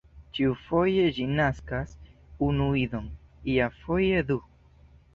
Ĉiufoje ĝi naskas unu idon, iafoje du.